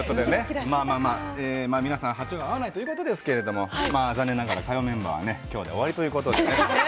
皆さん、波長が合わないということですけれども残念ながら火曜メンバーは今日で終わりということでね。